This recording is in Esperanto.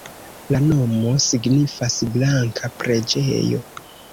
La nomo signifas: "blanka preĝejo".